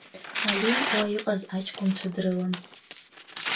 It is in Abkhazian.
Алим уа иҟаз аҷкәынцәа дрылан.